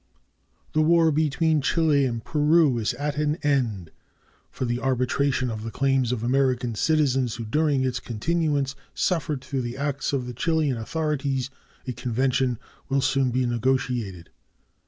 The war between Chile and Peru is at an end. For the arbitration of the claims of American citizens who during its continuance suffered through the acts of the Chilean authorities a convention will soon be negotiated.